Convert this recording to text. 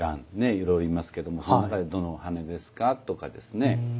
いろいろいますけどもその中でどの羽根ですか？とかですね。